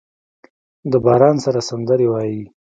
د باران سره سندرې وايي